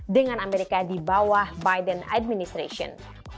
dengan amerika di bawah biden administration